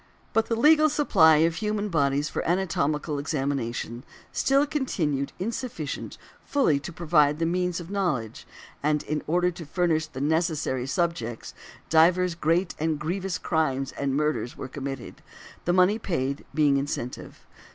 But the legal supply of human bodies for anatomical examination still continued insufficient fully to provide the means of knowledge; and in order to furnish the necessary subjects, divers great and grievous crimes and murders were committed, the money paid, being the incentive.